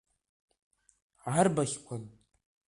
Арбаӷьқәан!